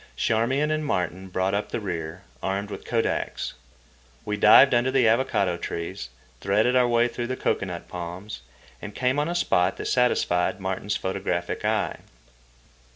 Charmian and Martin brought up the rear, armed with kodaks. We dived under the avocado trees, threaded our way through the cocoanut palms, and came on a spot that satisfied Martin's photographic eye.